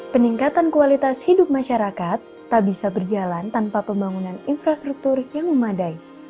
peningkatan kualitas hidup masyarakat tak bisa berjalan tanpa pembangunan infrastruktur yang memadai